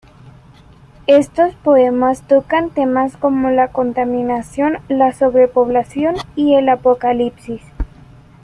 Estos poemas tocan temas como la contaminación, la sobrepoblación y el apocalipsis.